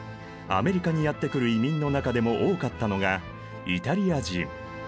アメリカにやって来る移民の中でも多かったのがイタリア人。